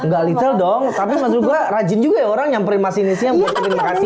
gak little dong tapi maksud gua rajin juga ya orang nyamperin masinisnya buat berterima kasih